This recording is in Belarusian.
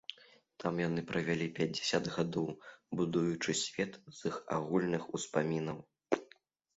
Там яны правялі пяцьдзясят гадоў, будуючы свет з іх агульных успамінаў.